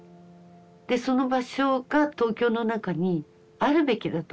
でその場所が東京の中にあるべきだと。